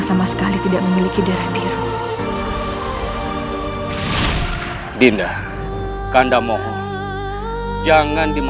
sampai jumpa lagi